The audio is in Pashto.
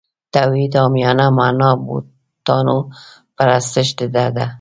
توحید عامیانه معنا بوتانو پرستش ډډه دی.